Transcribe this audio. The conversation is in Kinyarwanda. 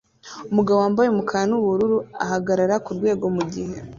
Umugabo wambaye umukara nubururu ahagarara kurwego mugihe